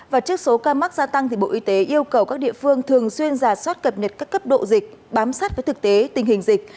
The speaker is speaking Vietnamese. và trước số ca mắc gia tăng bộ y tế yêu cầu các địa phương thường xuyên giả soát cập nhật các cấp độ dịch bám sát với thực tế tình hình dịch